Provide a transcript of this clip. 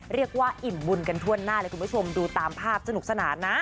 เรียกว่าอิ่มบุญกันทั่วหน้าเลยคุณผู้ชมดูตามภาพสนุกสนานนะ